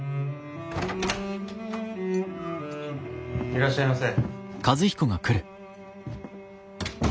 いらっしゃいませ。